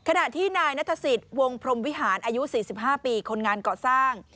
ขณะที่นายนัทศิษย์วงพรมวิหารอายุ๔๕ปีคนงานเกาะสร้าง